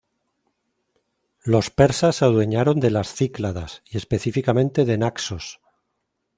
Los persas se adueñaron de las Cícladas, y específicamente de Naxos.